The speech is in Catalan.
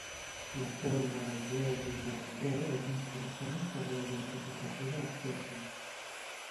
La forma dels lòbuls de la llavor és important per la identificació de l'espècie.